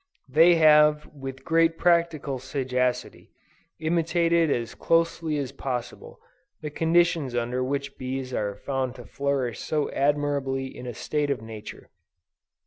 They have, with great practical sagacity, imitated as closely as possible, the conditions under which bees are found to flourish so admirably in a state of nature.